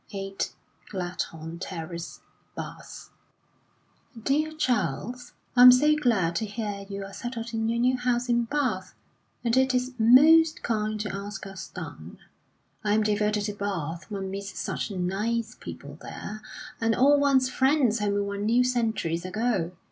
8 Gladhorn Terrace, Bath: "DEAR CHARLES, I am so glad to hear you are settled in your new house in Bath, and it is most kind to ask us down. I am devoted to Bath; one meets such nice people there, and all one's friends whom one knew centuries ago.